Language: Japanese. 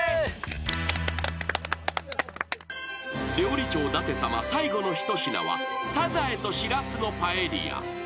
［料理長ダテ様最後の一品はサザエとしらすのパエリア］